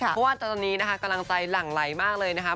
เพราะว่าตอนนี้นะคะกำลังใจหลั่งไหลมากเลยนะคะ